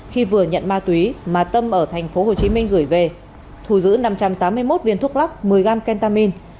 khi vừa nhận ma túy mà tâm ở thành phố hồ chí minh gửi về thu giữ năm trăm tám mươi một viên thuốc lắc một mươi gram kentamin